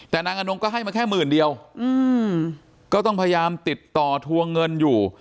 แต่นางอนงก็ให้มาแค่หมื่นเดียวก็ต้องพยายามติดต่อทวงเงินอยู่